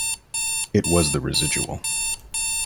It was the residual.